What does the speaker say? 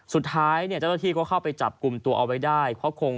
สุดท้ายเจ้าที่ก็เข้าไปจับกลุ่มตัวเอาไว้ได้